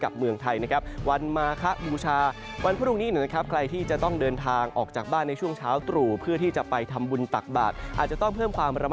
กับเมืองไทยนะครับวันมาคะพู่ชา